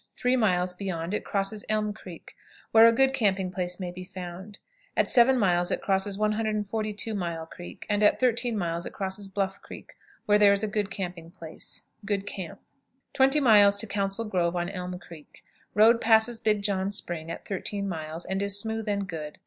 Three miles beyond it crosses "Elm Creek," where a good camping place may be found. At 7 miles it crosses 142 Mile Creek, and at 13 miles it crosses Bluff Creek, where there is a good camping place. Good camp. 20. "Council Grove," on Elm Creek. Road passes "Big John Spring" at 13 miles, and is smooth and good.